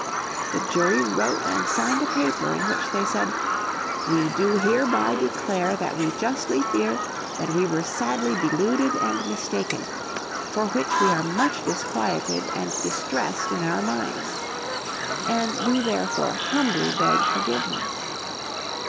The jury wrote and signed a paper in which they said, "We do hereby declare that we justly fear that we were sadly deluded and mistaken, for which we are much disquieted and distressed in our minds. And do therefore humbly beg forgiveness."